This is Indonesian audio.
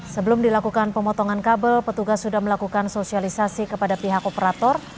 sebelum dilakukan pemotongan kabel petugas sudah melakukan sosialisasi kepada pihak operator